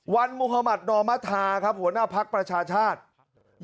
วันมหมาธดอมธาครับหัวหน้าภักดิ์ประชาชาชน์